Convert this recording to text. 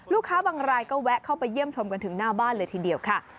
บางรายก็แวะเข้าไปเยี่ยมชมกันถึงหน้าบ้านเลยทีเดียวค่ะ